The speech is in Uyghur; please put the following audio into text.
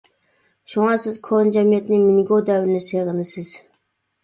شۇڭا سىز كونا جەمئىيەتنى، مىنگو دەۋرىنى سېغىنىسىز.